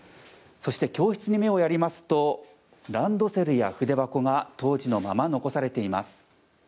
教室に目をやりますとランドセルや筆箱が当時のまま残されています。